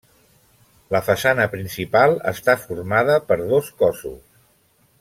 La façana principal està formada per dos cossos.